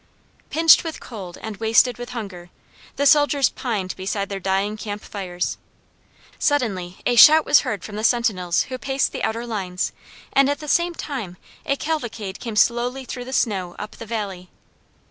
Pinched with cold and wasted with hunger, the soldiers pined beside their dying camp fires. Suddenly a shout was heard from the sentinels who paced the outer lines, and at the same time a cavalcade came slowly through the snow up the valley.